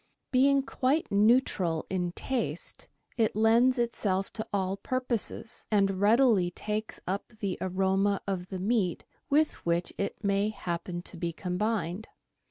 Being quite neutral in taste, it lends itself to all purposes, and readily takes up the aroma of the meat with which it may happen to be combined.